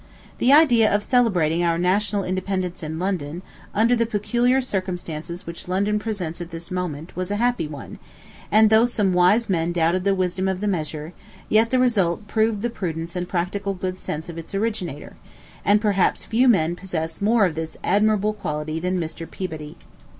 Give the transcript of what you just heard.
The idea of celebrating our national independence in London, under the peculiar circumstances which London presents at this moment, was a happy one; and though some wise men doubted the wisdom of the measure, yet the result proved the prudence and practical good sense of its originator; and perhaps few men possess more of this admirable quality than Mr. Peabody.